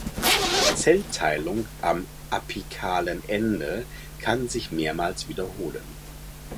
Die Zellteilung am apikalen Ende kann sich mehrmals wiederholen.